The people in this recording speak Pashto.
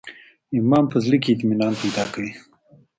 ایمان په زړه کي اطمینان پیدا کوي.